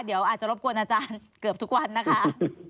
เดี๋ยวอาจจะรบกวนอาจารย์เกือบทุกวันนะคะ